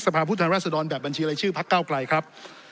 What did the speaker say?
สภาพภูตลแรกซะดอลแบบบัญชีรายชื่อภัคเก้าไกลครับ